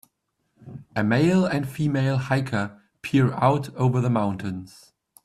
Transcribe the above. A male and female hiker peer out over the mountains.